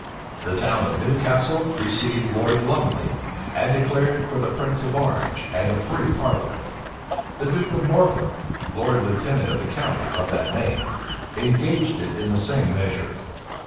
The town of Newcastle received Lord Lumley, and declared for the prince of Orange and a free parliament. The duke of Norfolk, lord lieutenant of the county of that name, engaged it in the same measure.